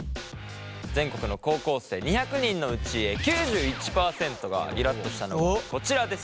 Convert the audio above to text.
全国の高校生２００人のうち９１％がイラっとしたのがこちらです。